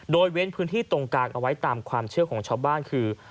โดยเว้นพื้นที่ตรงกลางเอาไว้ตามความเชื่อของชาวบ้านคือ